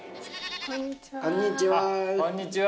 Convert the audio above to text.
こんにちは。